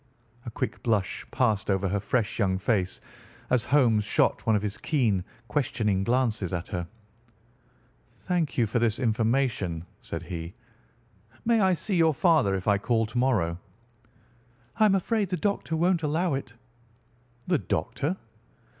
A quick blush passed over her fresh young face as Holmes shot one of his keen, questioning glances at her. "Thank you for this information," said he. "May I see your father if I call to morrow?" "I am afraid the doctor won't allow it." "The doctor?"